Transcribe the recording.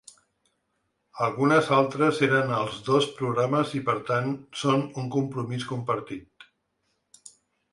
Algunes altres eren als dos programes i per tant són un compromís compartit.